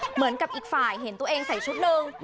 เหมือนกับอีกฝ่ายเห็นตัวเองใส่ชุดหนึ่ง